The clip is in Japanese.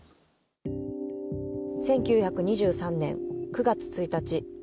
１９２３年９月１日。